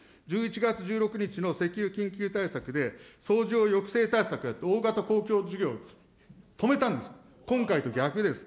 １１月１６日の石油緊急対策で相乗抑制対策やって大型公共事業止めたんです、今回と逆です。